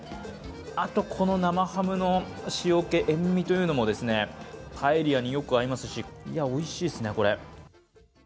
あと、この生ハムの塩気塩みというものパエリアによく合いますしいや、おいしいっすね、これ。